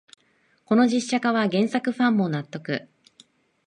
この実写化は原作ファンも納得